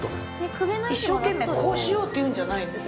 一生懸命こうしようっていうんじゃないんです。